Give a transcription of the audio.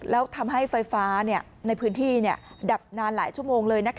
แล้วทำให้ไฟฟ้าในพื้นที่ดับนานหลายชั่วโมงเลย